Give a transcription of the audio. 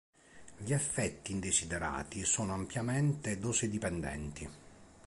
Gli effetti indesiderati sono ampiamente dose-dipendenti.